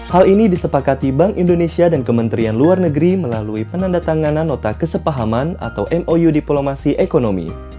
hal ini disepakati bank indonesia dan kementerian luar negeri melalui penanda tanganan nota kesepahaman atau mou diplomasi ekonomi